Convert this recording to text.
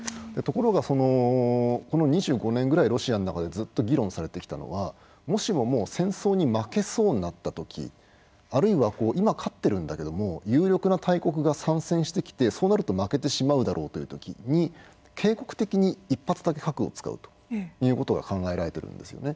ところが、この２５年ぐらいロシアの中でずっと議論されてきたのは、もしも戦争に負けそうになったときにあるいは今勝っているけど有力な大国が参戦してきて、そうなると負けてしまうだろうというときに警告的に１発だけ核を使うということが考えられています。